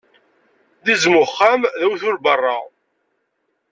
D izem n uxxam, d awtul n beṛṛa.